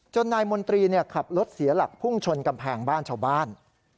นายมนตรีขับรถเสียหลักพุ่งชนกำแพงบ้านชาวบ้าน